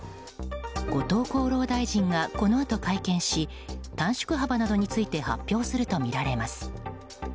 後藤厚労大臣がこのあと会見し短縮幅などについて発表するとみられます。